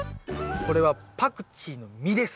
これはパクチーの実です。